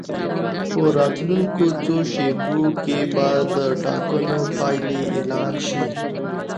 په راتلونکو څو شېبو کې به د ټاکنو پایلې اعلان شي.